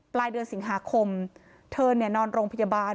ปลายเดือนสิงหาคมเธอเนี่ยนอนโรงพยาบาล